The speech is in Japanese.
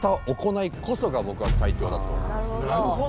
なるほど。